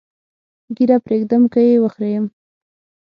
ږیره پرېږدم که یې وخریم؟